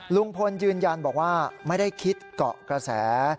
ลุงพลยืนยันบอกว่าไม่ได้คิดเกาะกระแส